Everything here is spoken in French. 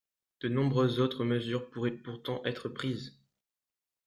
De nombreuses autres mesures pourraient pourtant être prises.